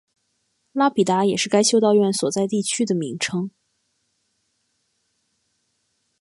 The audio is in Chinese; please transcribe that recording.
拉比达也是该修道院所在地区的名称。